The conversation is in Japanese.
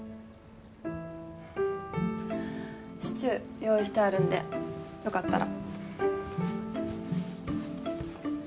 シチュー用意してあるんでよかったら。